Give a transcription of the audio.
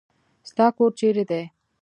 ستا کور چیرې دی؟